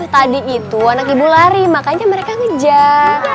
tadi itu anak ibu lari makanya mereka ngejar